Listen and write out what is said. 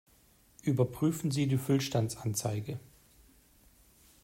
Überprüfen Sie die Füllstandsanzeige!